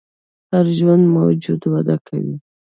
هر ژوندی موجود وده کوي